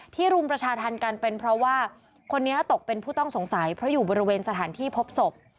รุมประชาธรรมกันเป็นเพราะว่าคนนี้ตกเป็นผู้ต้องสงสัยเพราะอยู่บริเวณสถานที่พบศพ